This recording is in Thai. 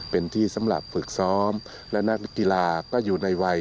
เป็นที่สำหรับฝึกซ้อมและนักกีฬาก็อยู่ในวัย